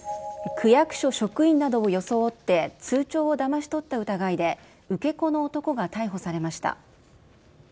区役所職員などを装って通帳をだまし取った疑いで、受け子の男が逮捕されました。